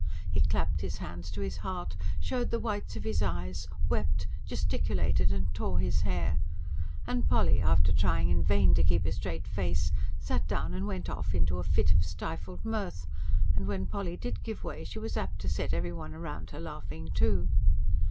He clapped his hands to his heart, showed the whites of his eyes, wept, gesticulated and tore his hair; and Polly, after trying in vain to keep a straight face, sat down and went off into a fit of stifled mirth and when Polly did give way, she was apt to set every one round her laughing, too.